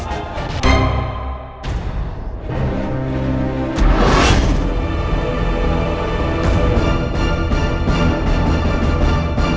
aduh kebetulan gak